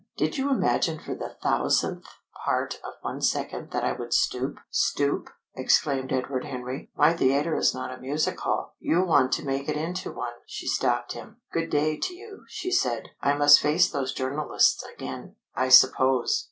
Did you imagine for the thousandth part of one second that I would stoop " "Stoop!" exclaimed Edward Henry. "My theatre is not a music hall " "You want to make it into one!" she stopped him. "Good day to you," she said. "I must face those journalists again, I suppose.